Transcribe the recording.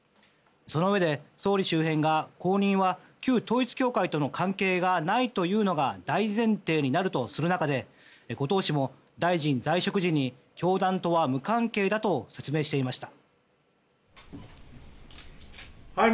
そのうえで、総理周辺が後任は旧統一教会との関係がないというのが大前提になるとする中で後藤氏も大臣在職時に教団とは無関係だと説明していました。